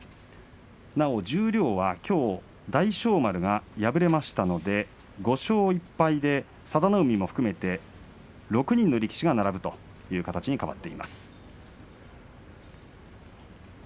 なお十両はきょう大翔丸が敗れましたので５勝１敗で佐田の海も含めて６人の力士が並ぶという形に変わっています。